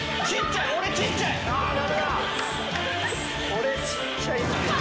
「俺ちっちゃい」って。